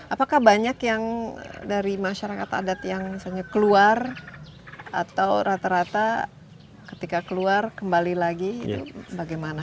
apakah banyak yang dari masyarakat adat yang misalnya keluar atau rata rata ketika keluar kembali lagi itu bagaimana